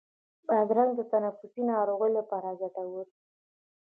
بادرنګ د تنفسي ناروغیو لپاره ګټور دی.